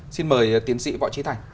xin mời tiến sĩ võ trí thành